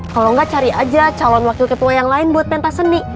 kalau nggak cari aja calon wakil ketua yang lain buat pentas seni